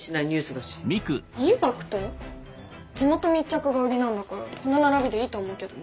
地元密着が売りなんだからこの並びでいいと思うけど。